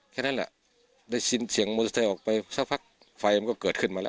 แค่นั้นแหละได้ยินเสียงมอเตอร์ไซค์ออกไปสักพักไฟมันก็เกิดขึ้นมาแล้ว